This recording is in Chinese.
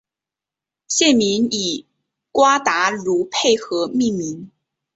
县名以瓜达卢佩河命名。